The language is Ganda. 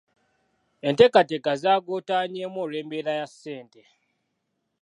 Enteekateeka zaagootaanyeemu olw'embeera ya ssente.